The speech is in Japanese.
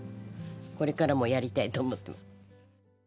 これからもやりたいと思って。